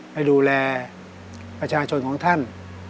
ให้ดูแลประชาชนของท่าน